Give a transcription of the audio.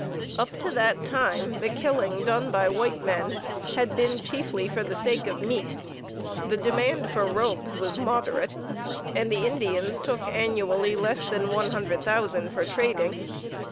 Up to that time the killing done by white men had been chiefly for the sake of meat, the demand for robes was moderate, and the Indians took annually less than one hundred thousand for trading.